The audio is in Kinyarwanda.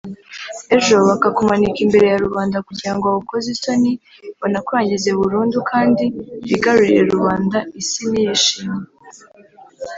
ejo bakakumanika imbere ya rubanda kugirango bagukoze isoni banakurangize burundu kandi bigarurire rubanda isi niyishime